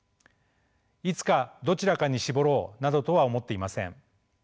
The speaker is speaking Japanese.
いつかどちらかに絞ろうなどとは思っていません。